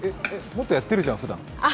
もっとやってるじゃん、ふだん。